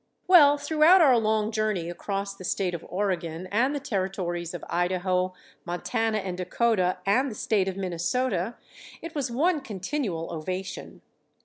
Well, throughout our long journey across the State of Oregon and the Territories of Idaho, Montana and Dakota, and the State of Minnesota, it was one continual ovation.